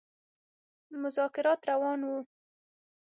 مذاکرات روان وه.